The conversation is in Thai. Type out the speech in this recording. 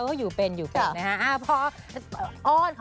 อยู่เป็นอยู่เป็นนะฮะ